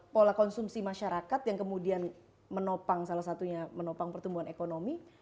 pola konsumsi masyarakat yang kemudian menopang salah satunya menopang pertumbuhan ekonomi